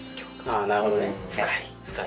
ああなるほどね。